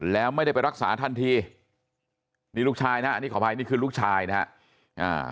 แล้วไม่ได้ไปรักษาทันทีนี่ลูกชายนะอันนี้ขออภัยนี่คือลูกชายนะฮะอ่า